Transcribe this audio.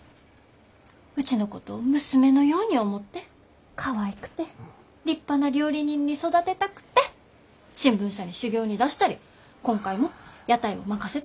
うちのことを娘のように思ってかわいくて立派な料理人に育てたくて新聞社に修業に出したり今回も屋台を任せたわけ。